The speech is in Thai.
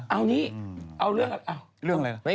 เอานี้เอาเรื่องอะไร